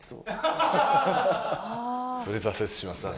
それ挫折しますね。